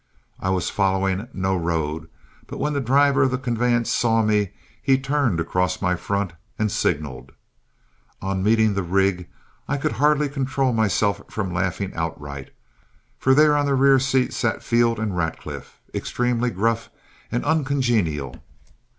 I was following no road, but when the driver of the conveyance saw me he turned across my front and signaled. On meeting the rig, I could hardly control myself from laughing outright, for there on the rear seat sat Field and Radcliff, extremely gruff and uncongenial.